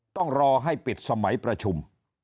ต้องรอให้ปิดสมัยประชุม